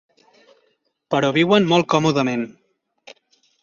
Però viuen molt còmodament.